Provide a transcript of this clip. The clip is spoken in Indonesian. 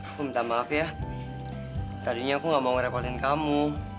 aku minta maaf ya tadinya aku gak mau ngerekolin kamu